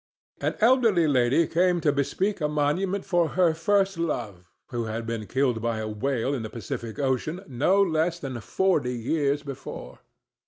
An elderly lady came to bespeak a monument for her first love, who had been killed by a whale in the Pacific Ocean no less than forty years before.